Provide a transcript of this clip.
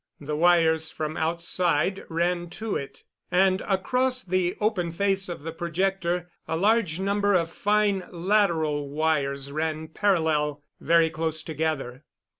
The wires from outside ran to it, and across the open face of the projector a large number of fine lateral wires ran parallel, very close together.